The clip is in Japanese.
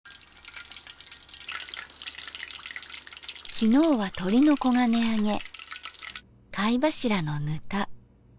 昨日はとりの黄金あげ貝柱のぬた。